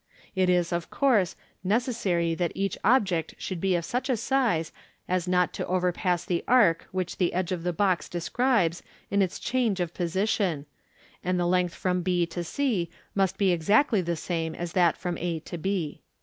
It is, of course, necessary that such objecf should be of such a siz< as not to overpass the arc which the edge of the box describes in its change of position, and the length from b to c must be ex actly the same as that from a to b.